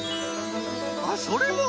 あっそれも！